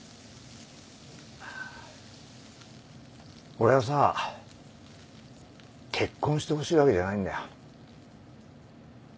俺はさ結婚してほしいわけじゃないんだよ。